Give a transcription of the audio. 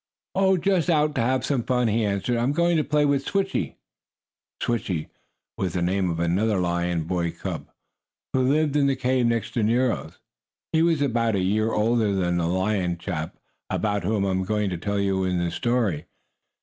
"Oh, just out to have some fun," he answered. "I'm going to play with Switchie." "Switchie," was the name of another lion boy cub, who lived in the cave next to Nero's. He was about a year older than the lion chap about whom I am going to tell you in this story.